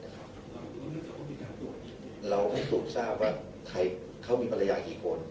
เราให้สืบทราบว่าเขามีภรรยากี่คน